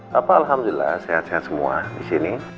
papa alhamdulillah sehat sehat semua disini